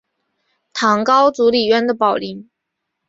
唐高祖李渊的宝林。